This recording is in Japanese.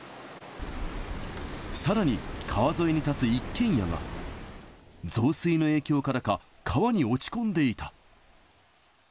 さらに、川沿いに建つ一軒家が、増水の影響からか、川に落ち込んでいた。